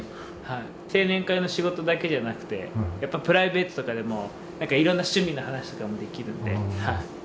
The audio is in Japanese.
青年会の仕事だけじゃなくてプライベートとかでも色んな趣味の話とかもできるんで。